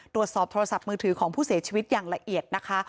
ตรวจสอบโทรศัพท์มือถือของผู้เสียชีวิตอย่างละเอียดนะคะ